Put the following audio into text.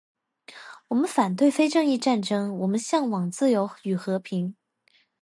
我们反对非正义战争，我们向往自由与和平